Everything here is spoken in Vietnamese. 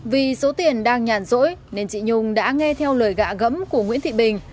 vì số tiền đang nhàn rỗi nên chị nhung đã nghe theo lời gạ gẫm của nguyễn thị bình